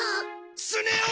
スネ夫！